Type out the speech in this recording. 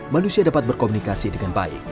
manusia dapat berkomunikasi dengan baik